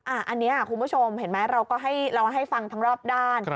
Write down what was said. อันนี้คุณผู้ชมเห็นไหมเราก็ให้เราให้ฟังทั้งรอบด้าน